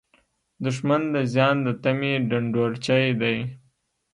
دښمن د زیان د تمې ډنډورچی دی